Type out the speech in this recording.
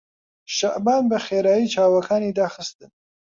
شەعبان بەخێرایی چاوەکانی داخستن.